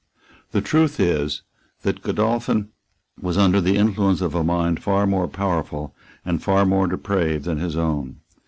The truth is that Godolphin was under the influence of a mind far more powerful and far more depraved than his own.